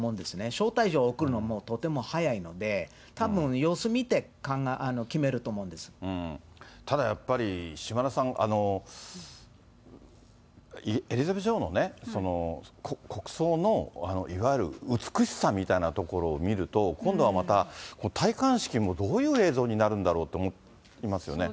招待状を送るのもとても早いので、たぶん、ただやっぱり、島田さん、エリザベス女王の国葬のいわゆる美しさみたいなところを見ると、今度はまた戴冠式もどういう映像になるんだろうと思いますよね。